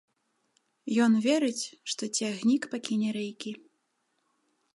Ён верыць, што цягнік пакіне рэйкі.